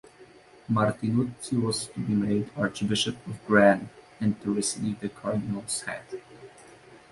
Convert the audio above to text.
Martinuzzi was to be made Archbishop of Gran, and to receive the cardinal's hat.